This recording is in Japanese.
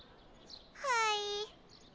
はい。